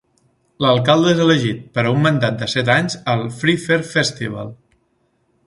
L'alcalde és elegit per a un mandat de set anys al Free Fair Festival.